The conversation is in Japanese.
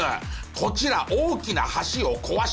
こちら大きな橋を壊します。